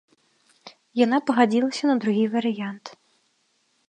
Яна пагадзілася на другі варыянт.